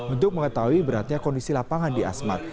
untuk mengetahui beratnya kondisi lapangan di asmat